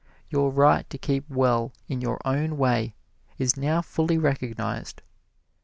Your right to keep well in your own way is now fully recognized.